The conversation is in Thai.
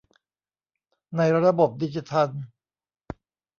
ในระบบดิจิทัล